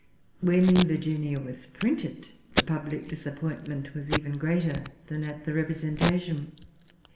When Virginia was printed, the public disappointment was even greater than at the representation.